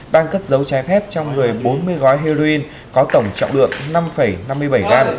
đang cất giấu trái phép trong người bốn mươi gói heroin có tổng trọng lượng năm năm mươi bảy g